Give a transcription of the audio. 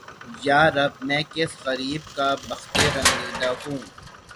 یارب! میں کس غریب کا بختِ رمیدہ ہوں!